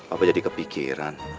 apa jadi kepikiran